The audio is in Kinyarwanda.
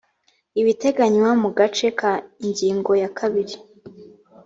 ibiteganywa mu gace ka ingingo ya kabiri